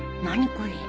これ。